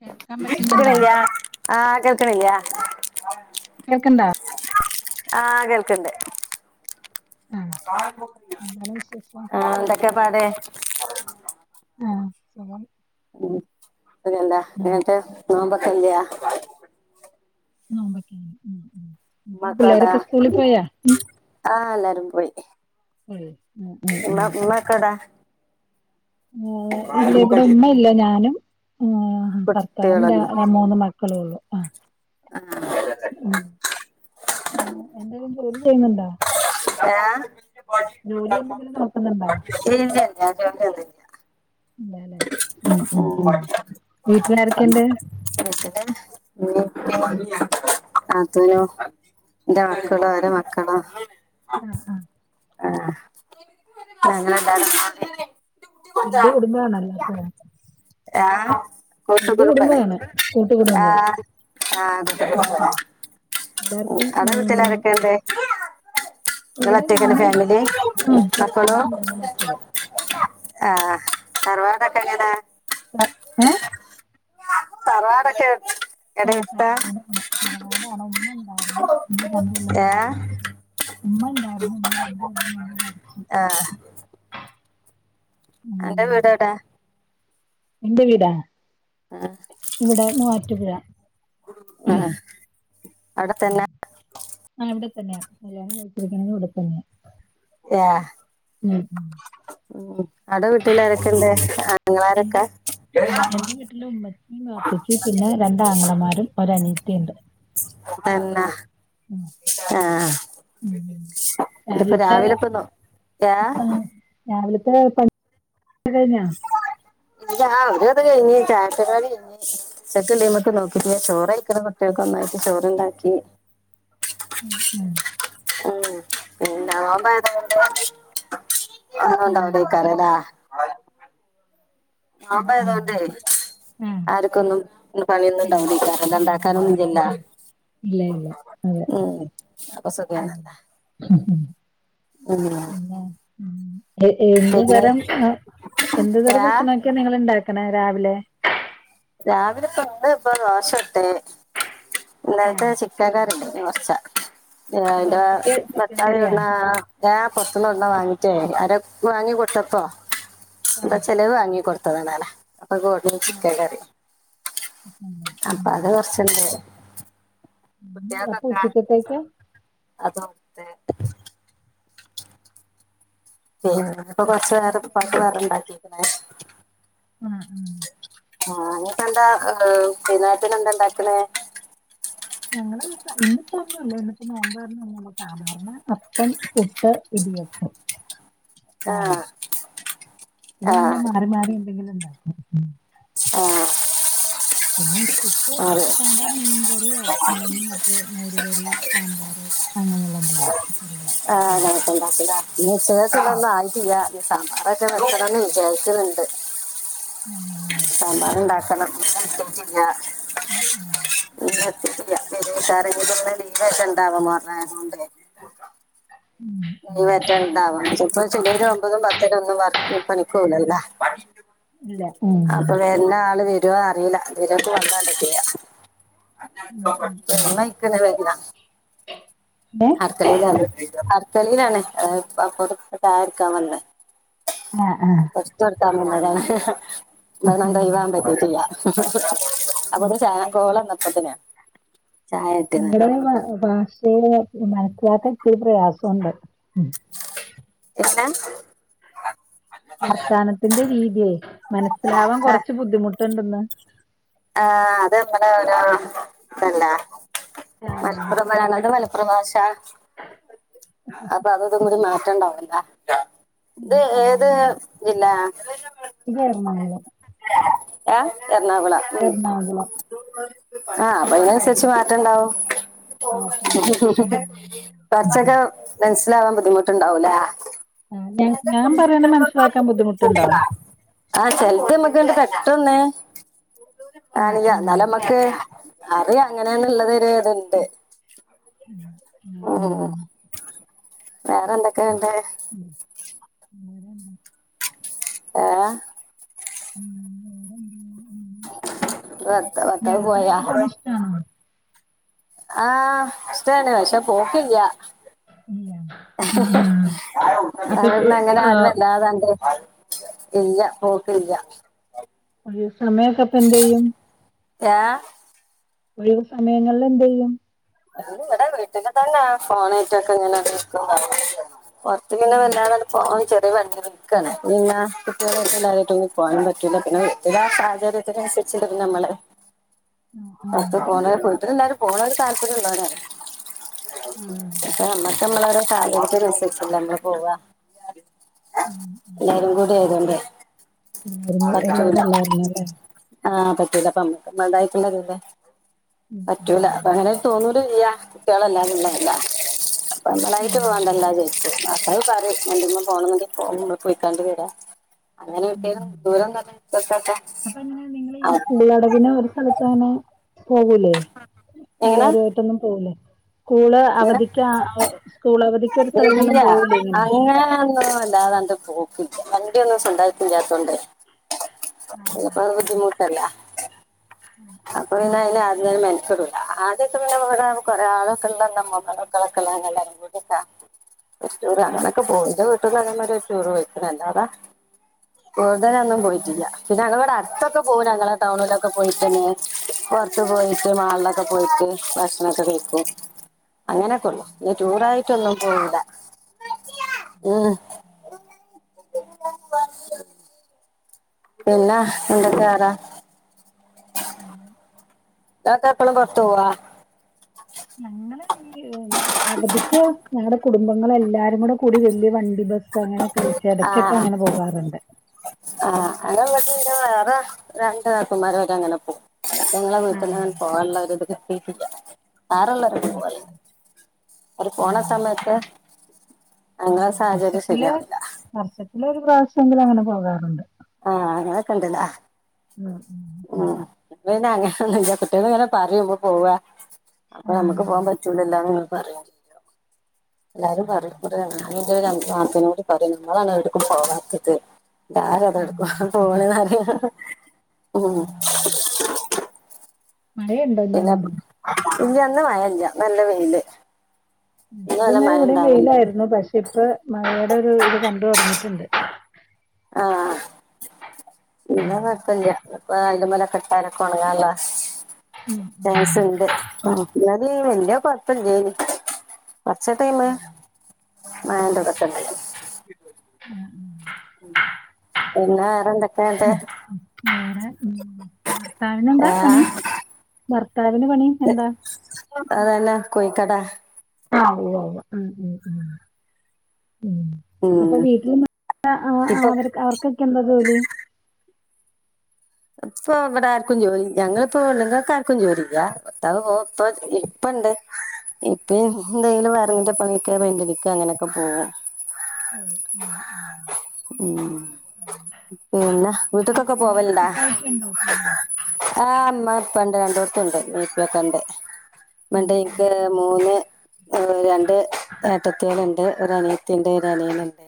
കേൾക്കാൻ പറ്റുന്നുണ്ടോ കേൾക്കണ്യ ആഹ കേൾക്കണില്ല്യ കേൾക്കണ്ടാ ആഹ് കേൾക്കണ്ടേ ആഹ് ആഹ എന്താണ് വിശേഷം എന്തൊക്കെ പാടെ ആഹ സുഖം ഉം അതല്ല ഉം എന്നിട്ട് നോമ്പക്കല്ലയാ നോമ്പൊക്കെയാ ഉമ്മക്കോടാ പിള്ളേരൊക്കെ സ്കൂളിൽ പോയാ ആ എല്ലാരും പോയി പോയി ഉം ഉം എന്ന എന്ന കടാ ആ ഇല്ല ഇവിടെ ഉമ്മയില്ല ഞാനും ആ ഭർത്താവും കുട്ടികളൊന്നും രാ മൂന്ന മക്കളും ഉള്ളു ആ [unintelligible] എന്തെങ്കും ജോലി ചെയ്യുന്നുണ്ടോ ജോലി ഇല്ലാ എന്തെങ്കിലും നോക്കുന്നുണ്ടോ ജോലി ഒന്നുമില്ല ഉം ഉം ഉം ഇ [unintelligible] അതിനനു എന്റെ മക്കളോ അവര മക്കളാ ആഹ ആഹ ആഹങ്ങനണ്ട വലിയ കുടുംബണല്ലാത്ത ഹ കൂട്ടുകുടുംബെ കൂട്ടുകുടുംബം ആഹ ആ എല്ലാർക്കും ഇങ്ങടെ ആഹ് വീട്ടിലാരൊക്കെണ്ടേ ഇവിടെ ഇയാളൊറ്റക്കാണോ ഞാനും ഭ ഫാമിലി ആ മക്കളും ഭർത്താവ് മൂന്ന് മക്കളും ആഹ തറവാടൊക്കെങ്ങനാ അ ഹ തറവാടൊക്കെ ആ ഇടയിട്ട തറവാടാണ് ഇമ്മ ഇണ്ടായിരുന്നു ഇ കണ്ട ഏ ഉമ്മ ഉണ്ടായിരുന്നു ഉമ്മ രണ്ടു കൊല്ലം മുൻപ് മരിച്ചു ആ എന്റെറെ വീടടാ എന്റെ വീടാ ആ, ഇവിടെ മൂവാറ്റുപുഴ അടുത്തന്നെ ആഹ് ഇവിടെ തന്നെയാ കല്യാണം കഴിച്ചിരിക്കുന്നത് ഉടുപ്പ്ന്ന് ഏ ഉം അടെ വീട്ടിലാരൊക്കെ ഇണ്ട് എന്റെ ആ എന്റെ വീട്ടില് ഉമ്മചിം വാപ്പച്ചും പിന്നെ രണ്ടാങ്ങളമാരും ഒരനി എന്ന ഉം ആ ഉം ഇതിപ്പ രാവിലത്തെ രാവിലെ ഇപ്പന്നോ ഏ അ പ [unintelligible] ഇ ആ ഒരു അത് കഴിഞ്ഞ് ചായ പരിപാടി കഴിഞ്ഞ് ഉച്ചക്ക് നോക്കിട്ട് ചോറ് കഴിക്ക്ണ് കുട്ടി ഒന്നായിട്ട് ചോറണ്ടാക്കി ഉ ഉം ഉം. ആഹ് [unintelligible] ഉം ഉം ആയതോണ്ടേ ആഹ് ആർക്കൊന്നും പണിയൊന്നും ഏഹ് ഇണ്ടാവു [unintelligible] കറൻ്റ് ഇല്ലല്ല ഇണ്ടാവൂല ഇല്ല ഇല്ല അതെ ഉം അപ്പൊ സുഖാണല്ലോ പിന്നെ [unintelligible] ഉം എന്ത് പിന്നെ തരം എന്ത് തരം രാ ഭക്ഷണമൊക്കെ നിങ്ങ ഇണ്ടാക്കണ രാവിലെ രാവിലെക്കണ്ട് ഇപ്പൊ ദോഷോട്ടെ ഇന്നലത്തെ ആഹ് ചിക്കൻ ക [unintelligible] വാങ്ങി ദോശക്ക് ചിക്കൻ കറിയാ മറ്റേ അര വാങ്ങികൊടുത്തപ്പോ ഇന്താ ആഹ് ചെലവ് വാങ്ങികൊടുത്തതാണല അതോടെ ആഹ് ചിക്കൻ കറി ചിക്കൻ കറി അപ്പ അത് കൊറച്ചെണ്ട് അപ്പ ഉച്ചക്കത്തേക്കോ അതൊടുത്തെ ചെയ്യ ഇപ്പൊ കൊറച്ചുറെ ഉച്ചക്കത്തെ പത്ത് വേറെണ്ടാക്കിരിക്ക ഉം ഉം ആ നിക്കെന്താ വൈകുന്നേരത്തിന് എന്താ ഇണ്ടാക്കുന്ന ഞങ്ങള് ഇന്നിപ്പോ ഒന്നുല്ല ഇന്നിപ്പോ നോമ്പായിരുന്നകാരണം സാധാരണ അപ്പം പുട്ട് ഇടിയപ്പം ആ രാവിലെ ആ ഇ മാറി മാറി ഉന്തെങ്കിലും ഉണ്ടാക്കും ആ പിന്നെ ഉച്ചക്ക് അതെ സാധാ മീൻകറിയോ അല്ലെങ്കിൽ മറ്റേ മോരുകറി സാമ്പാറ് അങ്ങനെയുള്ള എന്തെങ്കിലും ചെറിയ ചോറ് ആണ്ട [unintelligible] ഉം സമ്പാറക്കെ വെക്കണംന്ന് വിചാരിക്കണെണ്ട് ഉം സാമ്പാറ് ഇണ്ടാക്കണം [unintelligible] ഉം ഉം [unintelligible] കൊണ്ട് ഉം ഉം വറ്റ എന്ത ചപ്പ ചിലര് ഒമ്പതും പത്തിനും ഒന്നും വർക്കിന്‌ പണിക്ക്‌ പോകൂല്ലല്ല ഇല്ല ഉം അപ്പൊ വല്ലാ ആള് വിരു അറിയില്ല വിരുക്ക വന്നണ്ടക്ക്യ ഉം ഉം ഉം [unintelligible] തെളിയിലാണേ പുറത്തട്ട ആരിക്കാൻ വന്നെ ആ ആ [unintelligible] [unintelligible] ചായേം കോളേം ഇന്നപ്പത്തിന് നിമ്മടെ ബ ഭാഷയില് മനസ്സിലാക്കാൻ ഇത്തിരി പ്രയാസമുണ്ട് എന വാർത്തനത്തിന്റെ രീതിയേ മനസ്സിലാവാൻ ആ കൊറച്ച് ബുദ്ധിമുട്ടുണ്ടന്ന് ആ അതമ്മടെ ഒരാൾ ഇണ്ടല്ല ആഹ് മലപ്പുറം [unintelligible] പ്രഭാഷ അപ്പൊ അതുംഇതും കൂടി മാറ്റണ്ടാവില്ല ഇത് ഉം ഏത് ജില്ല ഇതേരുന്നോ ഇങ്ങള് ഹ എറണാകുളം എറണാകുളം ആഹ് ആഹ് അതിനനുസരിച്ച് മാറ്റംണ്ടാവും നാട്ടിൻപുറം ഉം കുറച്ചൊക്കെ ഉം മനസിലവാൻ ബുദ്ധിമുട്ടുണ്ടാവൂലേ ആഹ് ഞാൻ ഞാൻ പറയണ മനസ്സിലാക്കാൻ ബുദ്ധിമുട്ടുണ്ടോ? ആ ചെലത് അമ്മക്ക് ആഹ് അങ്ങട് [unintelligible] ആഹ് എന്നാലമ്മക്ക് അറിയ അങ്ങനെയന്നുള്ളതൊരു ഇത്ണ്ട്. ഉം ഉം ഉം, മ് വേറെന്തൊക്കെ വേണ്ടേ? ഉം. വേറെന്താ ഏ ഭർത്ത- ഭർത്താവ് യാത്രയൊക്കെ പോണേ ഇഷ്ടാണോ? ആഹ് ഇഷ്ടന്നെ, പക്ഷേ പോക്കില്ല. ഇല്ല ആഹ് ആഹ് അപ്പൊ ഇപ്പൊ അവിട്ന്നെങ്ങനെ ആരു ആഹ് [unintelligible] ഇല്ല പോക്കില്ല. ഒഴിവ് സമയൊക്കെപ്പ എന്ത് ചെയ്യും. ഏഹ് ഒഴിവ് സമയങ്ങളിൽ എന്ത് ചെയ്യും? [unintelligible] ഇവിട [unintelligible] ഫോണായിറ്റൊക്കെ ഇങ്ങനെ നിക്ക [unintelligible] പൊറത്ത് പിന്നെ ആഹാ വെല്ലാതങ്ങട് പോ [unintelligible] വന്ന് നിക്കാണ് പിന്നെ കുട്ടികളായിട്ട് എല്ലാരായിട്ടൊന്നും പോവാൻ പറ്റൂല്ല പിന്നെ എല്ലാ സാഹചര്യത്തിനനുസരി ച്ചിട്ട് നമ്മള് ആഹ് പത്ത് ആഹ് പോണേ പോയിട്ട് എല്ലാരും പോണ ഒരു താല്പര്യം ഉള്ള ഓനേ ആഹ് അപ്പ നമ്മക്കമ്മളെ ഓരോ സാഹചര്യം അനുസരിച്ചല്ലേ മ്മള് പോവാ. എല്ലാരും കൂടി ആയതൊണ്ട് ന്തായിരുന്നു എല്ലാരും ഒള്ളതായിരുന്നുല്ലേ. [unintelligible] അപ്പ മ്മക്ക് ഉം [unintelligible] ഉം പറ്റൂല അത അങ്ങനെ [unintelligible] കുട്ടികളെല്ലാംരും [unintelligible] മ്മളായിട്ട് ഉം വേണ്ടന്നു വെച്ച് [unintelligible] [unintelligible] എന്തെങ്കിലും പോണന്നിണ്ടെൽ പോവും ഇവിടെ കോയിത്താണ്ടി വരെ അങ്ങനെ ഉം വിട്ടേന് ഉം ദൂരം കാരണം ഇക്കൊക്കെ അപ്പൊ എങ്ങനെ നിങ്ങള് ഈ ആ സ്കൂളടവിന് ഒരു സ്ഥലത്ത് അങ്ങനെ പോകൂലേ എല്ലാരുമായിട്ടൊന്നും പോകൂലേ. സ്കൂള് എങ്ങനെ അവധിക്കാ ഏ സ്കൂൾ അവധി ഇല്ല അങ്ങനൊന്നുല്ല അതാ അന്റെ [unintelligible] പോക്ക് വണ്ടിയൊന്നും സൊന്തായിട്ട് ഇല്ലാത്തോണ്ടേ ആഹ് [unintelligible] അതു ബുദ്ധിമുട്ടല്ലേ. [unintelligible] പിന്നെ അതില് ആദ്യം തന്നെ മെനക്കെടൂല ആദ്യൊക്കെ പിന്നെ ഇവിടെ കൊറെ ആളൊക്കെള്ള മമ്മളക്കളൊക്കെള്ള [unintelligible] [unintelligible] നെയ്ച്ചൂറ് അങ്ങനൊക്കെ പോയിന്റെ വീട്ടന്ന ഒരു ചൂറ് വെക്കണ അല്ലാതെ കൂടുതലൊന്നും പോയിട്ടില്ല പിന്നെ അതുപോലെ അടുത്തൊക്കെ പോകല ഞങ്ങളെ ടൗണിലൊക്കെ പോയിട്ടന്നെ പൊറത്ത് പോയിട്ട് മാളിലൊക്കെ പോയിട്ട് ഭക്ഷണംക്കെ കഴിക്കും. അങ്ങനൊക്കെ ഒള്ളു, [unintelligible] ടൂറായിട്ടൊന്നും പോവൂല്ല. മ് പിന്നാ എന്തൊക്കെയ [unintelligible] ഇക്കാക്ക എപ്പള പൊറത്തോവ. ഞങ്ങള് ഈ അവധിക്ക് ഞങ്ങളുടെ കുടുംബങ്ങൾ എല്ലാരും കൂടെ കൂടി വലിയ വണ്ടി ബസ്സ് അങ്ങനെയൊക്കെ വിളിച്ച് എടയ്ക്കൊക്കെ അങ്ങനെ പോകാറുണ്ട്. ആഹ് [unintelligible] വേറെ രണ്ട് ഏട്ടന്മാരെ ഒക്കെ അങ്ങനെ പോവും. ഞങ്ങളെ ആഹ് വീട്ടിൽനിന്ന് പോകാനുള്ളര് ഇത് കിട്ടീട്ടില്ല, [unintelligible] അവര് പോണ ഉം സമയത്ത് അങ്ങെ സാഹചര്യം ശരിയാവില്ല. എപ്പോളെങ്കിലും അങ്ങനെ പോകാറുണ്ട്. ആ അങ്ങനൊക്കെ ഇണ്ട്ല്ലേ. മ് മ് മ് കുട്ടികൾ ഇങ്ങനെ പറയും നമുക്ക് പോവാ അപ്പൊ ആഹ് നമ്മുക്ക് പോകാൻ പറ്റൂലല്ല പറയാനോ എല്ലാരും പറൂട എന്റെ ഒരു നാത്തൂനോട് പറയും നമ്മളാണ് എടുക്കും പോകാത്തത് എല്ലടു പോണ് ന്ന് പറയും ഉം. മഴയുണ്ടോ എല്ലാ പിന്നെ ഓടും. ഇല്ല ഇന്ന് മഴ ഇല്ല ഇന്ന് നല്ല വെയില് ഇന്ന് ഇത്ര നല്ല നേരം മഴ ഇവിടെയും വെഴിൽ ഇണ്ടാവലില്ല ലായിരുന്നു പക്ഷെ ഇപ്പ മഴയുടെ ഒരു ഇത് കണ്ട് തുടങ്ങീട്ട് ട്ടുണ്ട്. ആഹ് ഇന്ന് നടത്തല്ല. നല്ലുമല കെട്ടാനൊക്കെ ഉണങ്ങാനുള്ള [unintelligible] ആ വല്യ കൊഴപ്പില്ലേനു കൊറച്ച ടൈമ് ഉം. ആ ഇതൊക്കെത്തന്നെ. പിന്നാ വേറെന്തൊക്കെണ്ട് ഭർത്താവിന് എന്താ പണി ആഹ് ഭർത്താവിന് പണി എന്താ? അതന്നെ കോഴിക്കട ആ ഉവ്വ ഉവ്വ. അപ്പൊ ഉം വീട്ടിൽ ഇപ്പൊ അവർക്ക് അവർക്കൊക്കെ എന്താ ജോലി? ഇപ്പൊ ഇവിടെ ആർക്കും ജോലി ഞങ്ങളിപ്പോ പെണ്ണുങ്ങക്ക് ആർക്കും ജോലില്ല ഭർത്താവ് പോവും ഇപ്പ ഇപ്പ ണ്ട് ഇപ്പ എന്തായലും വയറിന്റെ പണിക്ക പെയ്ന്റടിക്ക് അങ്ങനൊക്കെ പോവും. [inaudible] ഉം. പിന്നെ ഇത് വീട്ടക്കൊക്കെ ഉമ്മായും പോവലണ്ടാ? പപ്പായൊക്കെ ഉണ്ടോ കൂടെ? ആ മ്മ പ്പ രണ്ടോടതും ഉണ്ട് വീട്ടിലൊക്കെ ഉണ്ട് ഉം, ഉം, മിണ്ടനിക്ക് ഉം. മൂന്ന് രണ്ട് ഏട്ടത്തികളുണ്ട് ഒരു അനിയത്തിയ ഉണ്ട് ഒരു അനിയനുണ്ട്.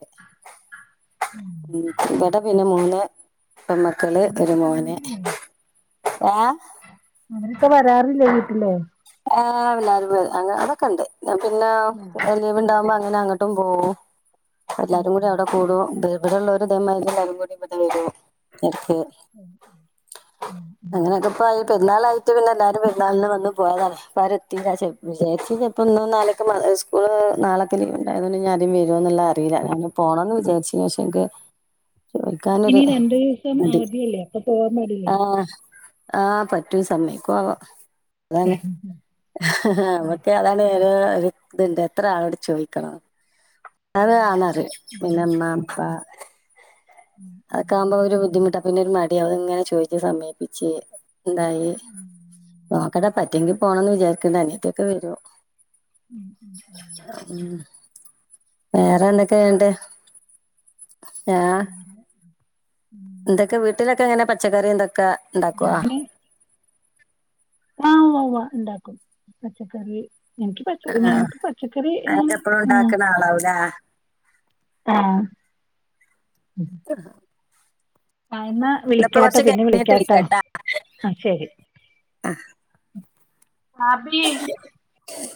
ഉം ഇവിടെ പിന്നെ മൂന്ന് പെൺമക്കൾ അവരൊക്കെ ഒരു മോന്. വരാറില്ലേ? ഏഹ് അവരൊക്കെ വരാറില്ലേ വീട്ടില്. ഏ എല്ലാരും വരുംഅതൊക്കെ ഉണ്ട് ഞാൻ പിന്ന ലീവ് ഉണ്ടാവുമ്പോ അങ്ങനെ അങ്ങനെ അങ്ങോട്ടും പോവും എല്ലാരും കൂടി ഉം, അവിടെ കൂടും. ഇവിടെ ഉള്ളവർ ഇതേമാതിരി എല്ലാരും കൂടി ഇവിടെ വരും. ഉം, ഉം. അങ്ങനെയൊക്കെ ഇപ്പയി പെരുന്നലായിട്ട് പിന്നെ എല്ലാരും പെരുന്നാളിന് വന്നു. പി പോയതാ ആരും എത്തീല ഇന്നും നാളെ സ്കൂള് നാളൊക്കെ ലീവ് ഉണ്ടായതുകൊണ്ട് ഞാൻ വരോന്നു അറീല അറിയില്ല പോണംന്ന് വിചാരിച്ചന ശേ എനിക്ക് ചോദിക്കാനൊരു ഇനി രണ്ടു ദിവസം മടി അവധിയല്ലേ അപ്പൊ പോവാൻ പാടില്ലേ. ആഹ് ആഹ് പറ്റൂ സമ്മായിക്കോവോ? അതാണ് നമ്മക്ക് അതാണ്. ഇത്ണ്ട് എത്ര ആളോട് ചോദിക്കണം. അത് ആന്ന് റയും പിന്നെ ഉമ്മാ ഉപ്പ അതൊക്കെ ആകുമ്പോ ഒരു ബുദ്ധിമുട്ടാ പിന്നെരു മടി അത് ഇങ്ങനെ ചോദിച്ചു സമേപ്പിച്ച് എന്തായി പറ്റെങ്ക പോണം എന്ന് വിചാരിക്കണ്ട് അനിയത്തി ഒക വരും. [inaudible] വേറെ എന്തൊക്കെയ എന്നിട്ട് ഞാ എന്തൊക്കെ വീട്ടിലൊക്കെ എങ്ങനെ പച്ചക്കറി എന്തൊക്കെ ഇണ്ടാക്കുവോ? ഞാന് ആ ഉവ്വ ഉവ്വ ഉണ്ടാക്കും പച്ചക്കറി എനിക്ക് പച്ച നക്ക് പച്ചക്കറി ഉം അതൊക്കെ എപ്പഴും ഇണ്ടാക്ക്ണ ആളാവൂലേ? ആഹ് ആ എന്നാ എന്നാപ്പം വിളിക്കാട്ടോ കൊറച്ച് പിന്നെ കഴഞ്ഞിട്ട് വിളിക്കാട്ടോ വിളിക്കാട്ടാ ആ ശരി ഭാബി